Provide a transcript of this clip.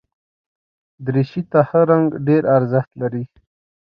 دریشي ته ښه رنګ ډېر ارزښت لري.